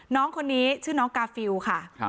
น้องคนนี้ชื่อน้องกาฟิลค่ะ